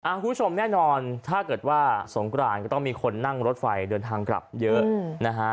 คุณผู้ชมแน่นอนถ้าเกิดว่าสงกรานก็ต้องมีคนนั่งรถไฟเดินทางกลับเยอะนะฮะ